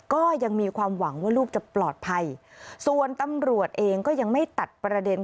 ก็ยังมีความหวังว่าลูกจะปลอดภัยส่วนตำรวจเองก็ยังไม่ตัดประเด็น